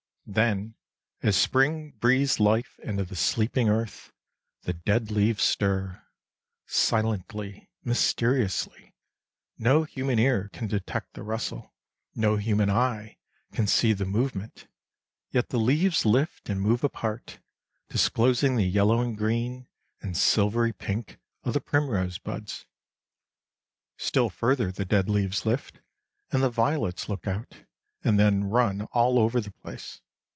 Then, as spring breathes life into the sleeping earth, the dead leaves stir, silently, mysteriously, no human ear can detect the rustle, no human eye can see the movement, yet the leaves lift and move apart, disclosing the yellow and green, and silvery pink of the primrose buds. Still further the dead leaves lift, and the violets look out, and then run all over the place.